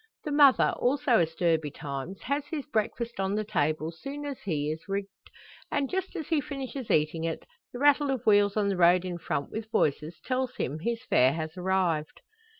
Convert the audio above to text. The mother, also astir betimes, has his breakfast on the table soon as he is rigged; and just as he finishes eating it, the rattle of wheels on the road in front, with voices, tells him his fare has arrived.